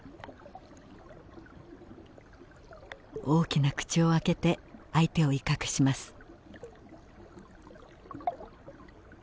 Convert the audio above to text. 大きな口を開けて相手を威嚇します。